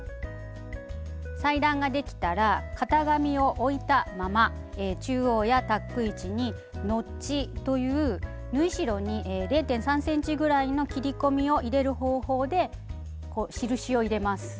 裁断ができたら型紙を置いたまま中央やタック位置に「ノッチ」という縫い代に０．３ｃｍぐらいの切り込みを入れる方法で印を入れます。